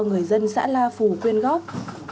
người dân xã la phù quyên góp